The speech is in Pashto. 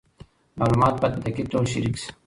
معلومات باید په دقیق ډول شریک سي.